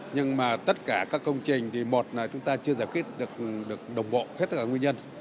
nhưng mà tất cả các công trình thì một là chúng ta chưa giải quyết được đồng bộ hết tất cả nguyên nhân